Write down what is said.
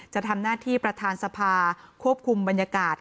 จะทำหน้าที่ประธานสภาควบคุมบรรยากาศ